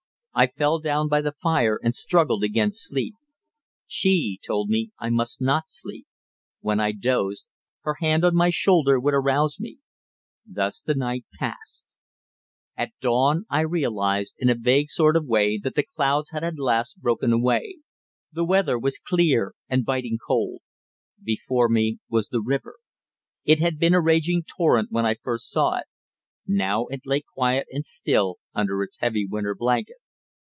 I fell down by the fire and struggled against sleep. She told me I must not sleep. When I dozed, her hand on my shoulder would arouse me. Thus the night passed. At dawn I realised in a vague sort of way that the clouds had at last broken away; that the weather was clear and biting cold. Before me was the river. It had been a raging torrent when I first saw it; now it lay quiet and still under its heavy winter blanket.